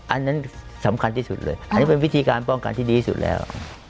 อันนั้นสำคัญที่สุดเลยอันนี้เป็นวิธีการป้องกันที่ดีที่สุดแล้ว